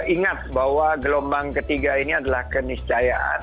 ingat bahwa gelombang ketiga ini adalah keniscayaan